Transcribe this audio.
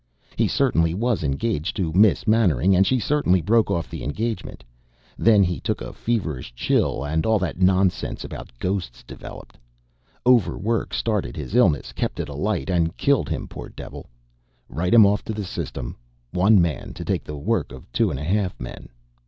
He certainly was engaged to Miss Mannering, and she certainly broke off the engagement. Then he took a feverish chill and all that nonsense about ghosts developed. Overwork started his illness, kept it alight, and killed him poor devil. Write him off to the System one man to take the work of two and a half men."